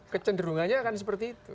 kecenderungannya akan seperti itu